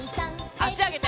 あしあげて。